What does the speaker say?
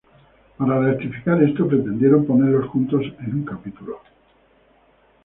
Para rectificar esto, pretendieron ponerlos juntos en un capítulo.